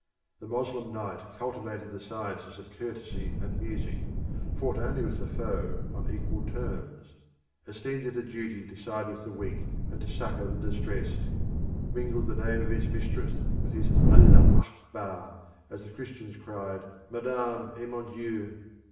The Moslem knight cultivated the sciences of courtesy and music, fought only with the foe on equal terms, esteemed it a duty to side with the weak and to succour the distressed, mingled the name of his mistress with his Allah Akbar! as the Christians cried, Ma Dame et mon Dieu!